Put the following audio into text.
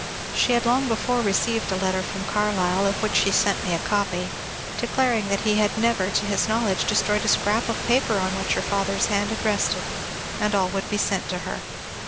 She had long before received a letter from Carlyle, of which she sent me a copy, declaring that he had never to his knowledge destroyed a scrap of paper on which her father's hand had rested, and all would be sent to her.